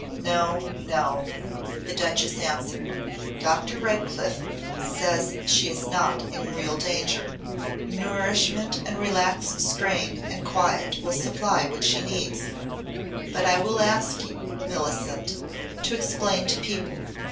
"No! No!" the Duchess answered. "Dr. Redcliff says she is not in real danger. Nourishment and relaxed strain and quiet will supply what she needs. But I will ask you, Millicent, to explain to people.